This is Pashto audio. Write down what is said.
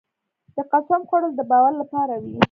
د قسم خوړل د باور لپاره وي.